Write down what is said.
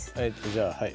じゃあはい。